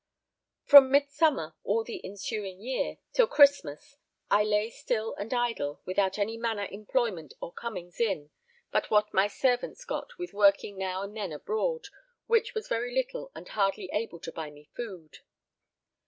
From midsummer, all the ensuing year, till Christmas I lay still and idle without any manner employment or comings in but what my servants got with working now and then abroad, which was very little and hardly able to buy me food.